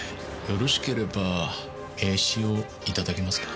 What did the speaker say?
よろしければ名刺をいただけますか？